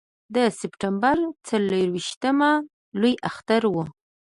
د سپټمبر څلرویشتمه لوی اختر و.